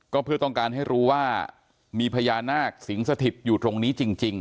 ก็เพื่อต้องการให้รู้ว่ามีพญานาคสิงสถิตอยู่ตรงนี้จริง